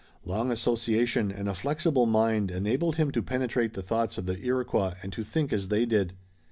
Long association and a flexible mind enabled him to penetrate the thoughts of the Iroquois and to think as they did.